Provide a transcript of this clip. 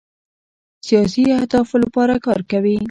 سیاسي اهدافو لپاره کار کوي.